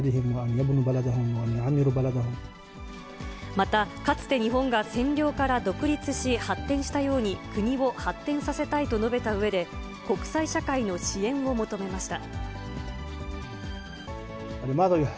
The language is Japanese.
また、かつて日本が占領から独立し、発展したように、国を発展させたいと述べたうえで、国際社会の支援を求めました。